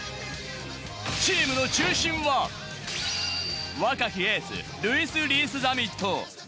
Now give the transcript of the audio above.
チームの中心は、若きエース、ルイス・リース＝ザミット。